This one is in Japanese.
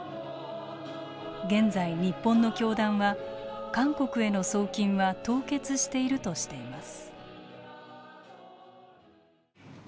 現在、日本の教団は韓国への送金は凍結しているとしています。